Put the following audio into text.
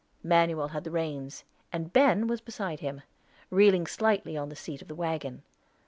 Manuel had the reins, and Ben was beside him, reeling slightly on the seat of the wagon.